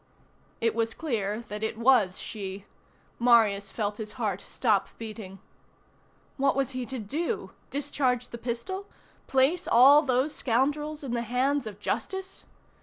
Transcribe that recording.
It was clear that it was she. Marius felt his heart stop beating. What was he to do? Discharge the pistol? Place all those scoundrels in the hands of justice?